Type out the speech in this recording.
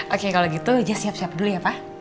oke kalau gitu jess siap siap dulu ya pa